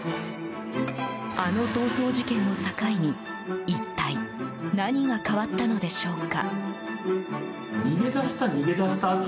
あの逃走事件を境に一体何が変わったのでしょうか。